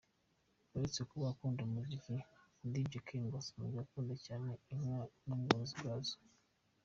Uretse kuba akunda umuziki, Dj K ngo asanzwe akunda cyane inka n'ubworozi bwazo.